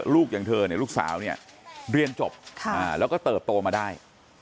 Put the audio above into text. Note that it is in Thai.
อย่างเธอเนี่ยลูกสาวเนี่ยเรียนจบแล้วก็เติบโตมาได้